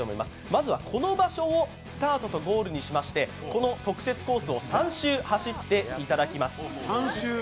まずはこの場所をスタートとゴールにしましてこの特設コースを３周走っていただきます。